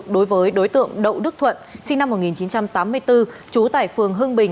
đối với đối tượng đậu đức thuận sinh năm một nghìn chín trăm tám mươi bốn trú tại phường hương bình